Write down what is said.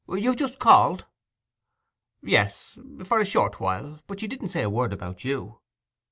You've just called?' 'Yes, for a short while. But she didn't say a word about you.